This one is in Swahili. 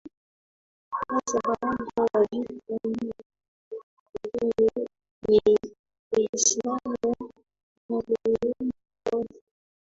hasa baada ya vita vya hivi karibuni ni Waislamu wakiwemo kwanza